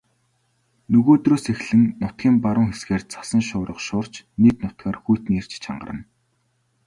Нөгөөдрөөс эхлэн нутгийн баруун хэсгээр цасан шуурга шуурч нийт нутгаар хүйтний эрч чангарна.